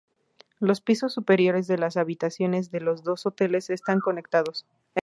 Los pisos superiores de las habitaciones de los dos hoteles están conectados.